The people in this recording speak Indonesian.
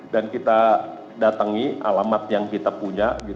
dan kita datangi alamat yang kita punya